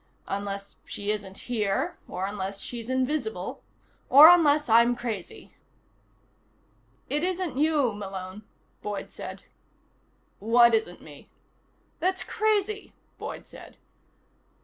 Unless she isn't here. Or unless she's invisible. Or unless I'm crazy." "It isn't you, Malone," Boyd said. "What isn't me?" "That's crazy," Boyd said.